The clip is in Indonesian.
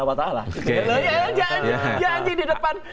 ya jangan jadi di depan